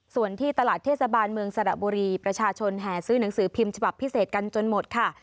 ส่วนที่ตลาดเทศบาลเมืองสระบุรีประชาชนแห่ซื้อหนังสือพิมพ์ฉบับพิเศษกันจนหมดค่ะ